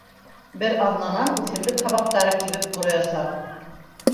Бер аҙнанан үҫемлек һабаҡтары кибеп ҡороясаҡ.